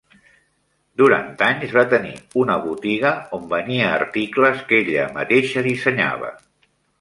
Durant anys va tenir una botiga on venia articles que ella mateixa dissenyava.